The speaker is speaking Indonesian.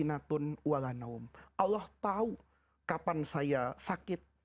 allah tahu kapan saya sakit